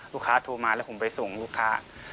โทรมาแล้วผมไปส่งลูกค้า